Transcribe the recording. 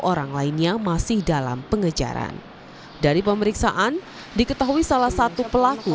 orang lainnya masih dalam pengejaran dari pemeriksaan diketahui salah satu pelaku